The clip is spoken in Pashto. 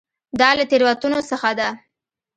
دا له تېروتنو څخه ده.